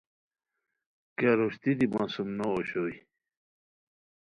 کیہ روشتی دی مہ سُم نو اوشوئے